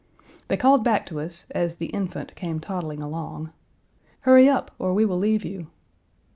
They called back to us, as the Infant came toddling along, "Hurry up or we will leave you."